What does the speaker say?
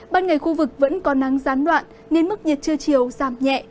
ban ngày khu vực vẫn còn nắng gián đoạn nên mức nhiệt chưa chiều giảm nhẹ